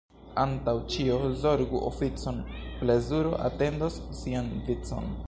Antaŭ ĉio zorgu oficon, — plezuro atendos sian vicon.